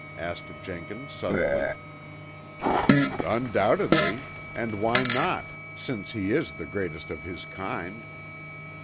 asked Jenkins suddenly. "Undoubtedly; and why not, since he is the greatest of his kind.